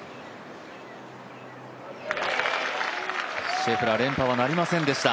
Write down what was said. シェフラー、連覇はなりませんでした。